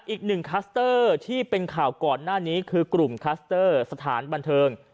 อีกหนึ่งคลัสเตอร์ที่เป็นข่าวก่อนหน้านี้คือกลุ่มคัสเตอร์สถานบันเทิง